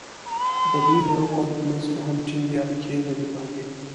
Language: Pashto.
د دوی د یوه قوم په منځ کې هم ټینګ اړیکې نه دي پاتې.